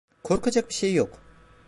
Korkacak bir şey yok.